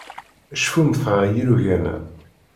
Cfumt ɣef yilugan-a.